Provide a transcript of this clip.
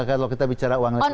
kalau kita bicara uang listrik